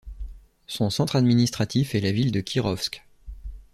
Son centre administratif est la ville de Kirovsk.